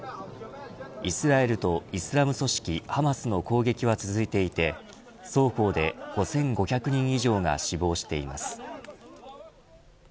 イスラエルとイスラム組織ハマスの攻撃は続いていて双方で５５００人以上が死亡しています。